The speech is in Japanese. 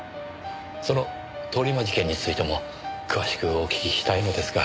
その通り魔事件についても詳しくお聞きしたいのですが。